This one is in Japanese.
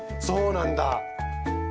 そうなんだ。